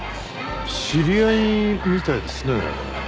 知り合いみたいですね。